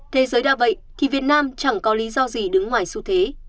thế giới đã vậy thì việt nam chẳng có lý do gì đứng ngoài su thế